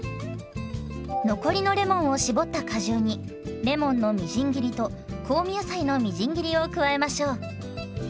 残りのレモンを搾った果汁にレモンのみじん切りと香味野菜のみじん切りを加えましょう。